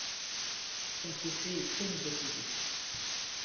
Son procès est très médiatisé.